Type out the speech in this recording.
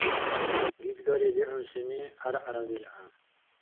Гидгари бигӀунсини гӀяргӀяра билгӀя.